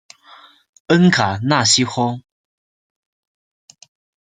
恩卡纳西翁。